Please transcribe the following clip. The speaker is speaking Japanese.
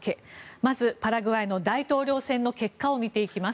まず、パラグアイの大統領選の結果を見ていきます。